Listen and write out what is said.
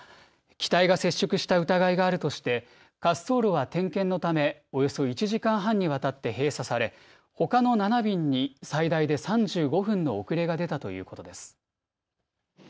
機体が接触した疑いがあるとして滑走路は点検のためおよそ１時間半にわたって閉鎖されほかの７便に最大で３５分の遅れが出たということです。